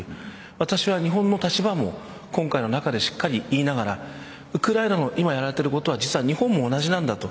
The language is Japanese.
私は日本の立場も今回の中でしっかり言いながらウクライナの今やられていることは日本も同じなんだと